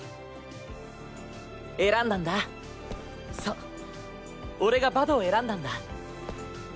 選んだんだそう俺がバドを選んだんだ。